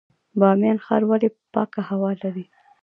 بامیان ښار ولې پاکه هوا لري؟